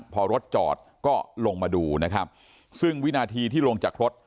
พอรถจอดก็ลงมาดูนะครับซึ่งวินาทีที่ลงจากรถ